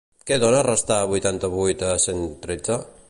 Què dona restar vuitanta-vuit a cent tretze?